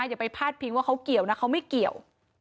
อย่าไปพาดพิงว่าเขาเกี่ยวนะเขาไม่เกี่ยว